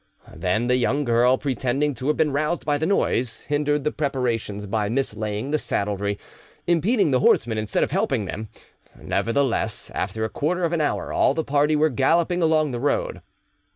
Then the young girl, pretending to have been roused by the noise, hindered the preparations by mislaying the saddlery, impeding the horsemen instead of helping them; nevertheless, after a quarter of an hour, all the party were galloping along the road.